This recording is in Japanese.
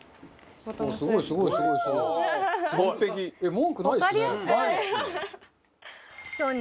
文句ないですね。